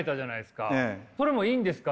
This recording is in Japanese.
それもいいんですか？